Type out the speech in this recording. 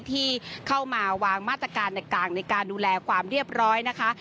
ที่เข้ามาวางมาตรการต่างในการดูแลความเรียบร้อยนะคะ